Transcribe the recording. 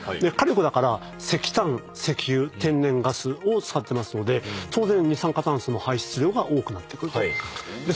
火力だから石炭石油天然ガスを使ってますので当然二酸化炭素の排出量が多くなってくると。